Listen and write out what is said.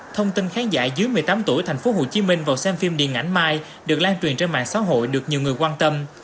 thông tin khán giả dưới một mươi tám tuổi tp hcm vào xem phim điện ảnh mai được lan truyền trên mạng xã hội được nhiều người quan tâm